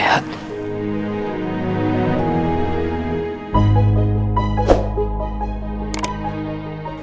terus setelah gue sehat